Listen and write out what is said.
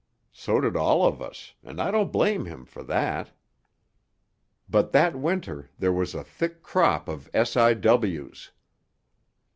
So did all of us, and I don't blame him for that. But that winter there was a thick crop of S.I.W.'